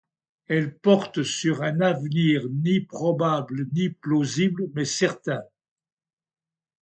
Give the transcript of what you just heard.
Elle porte sur un avenir ni probable ni plausible mais certain.